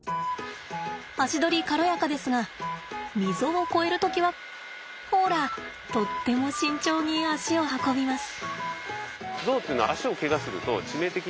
足取り軽やかですが溝を越える時はほらとっても慎重に肢を運びます。